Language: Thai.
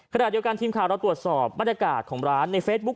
ขณะเดียวกันทีมข่าวเราตรวจสอบบรรยากาศของร้านในเฟซบุ๊ค